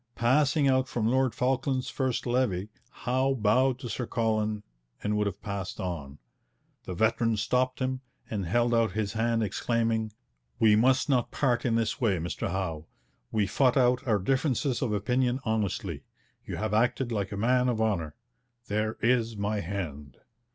Passing out from Lord Falkland's first levee, Howe bowed to Sir Colin and would have passed on. The veteran stopped him, and held out his hand, exclaiming, 'We must not part in this way, Mr Howe. We fought out our differences of opinion honestly. You have acted like a man of honour. There is my hand.'